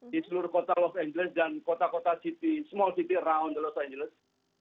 di seluruh kota los angeles dan kota kota small city around los angeles